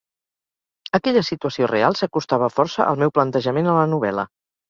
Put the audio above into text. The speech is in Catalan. Aquella situació real s'acostava força al meu plantejament a la novel·la.